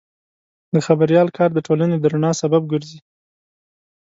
د خبریال کار د ټولنې د رڼا سبب ګرځي.